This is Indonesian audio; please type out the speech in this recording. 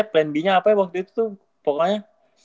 plan b nya apa ya waktu itu tuh pokoknya